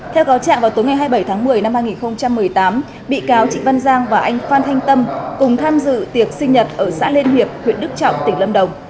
theo cáo trạng vào tối ngày hai mươi bảy tháng một mươi năm hai nghìn một mươi tám bị cáo trịnh văn giang và anh phan thanh tâm cùng tham dự tiệc sinh nhật ở xã liên hiệp huyện đức trọng tỉnh lâm đồng